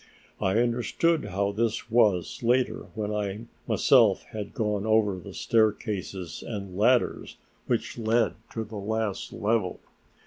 I understood how this was later, when I myself had gone over the staircases and ladders which led to the last level.